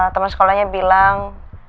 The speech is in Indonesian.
temen sekolahnya bilang